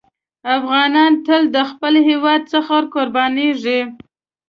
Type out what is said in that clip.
افغانان تل د خپل هېواد څخه قربانېږي.